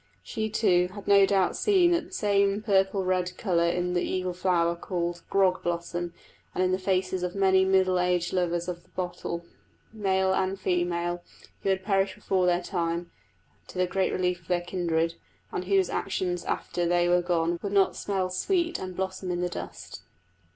She, too, had no doubt seen that same purple red colour in the evil flower called "grog blossom," and in the faces of many middle aged lovers of the bottle, male and female, who would perish before their time, to the great relief of their kindred, and whose actions after they were gone would not smell sweet and blossom in the dust.